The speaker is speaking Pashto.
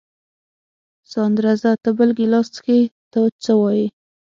ساندرزه ته بل ګیلاس څښې، ته څه وایې؟